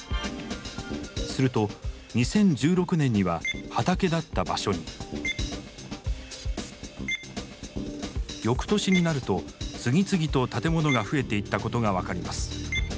すると２０１６年には畑だった場所に翌年になると次々と建物が増えていったことが分かります。